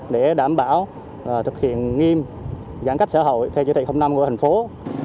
để đảm bảo thực hiện giãn cách toàn xã hội